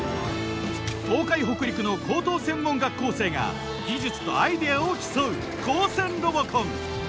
東海北陸の高等専門学校生が技術とアイデアを競う高専ロボコン。